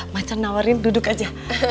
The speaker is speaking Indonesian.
macan nawarin duduk aja